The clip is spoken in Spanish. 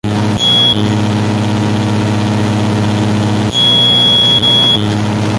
Participó en el primer directorio de Ferraris y Cía.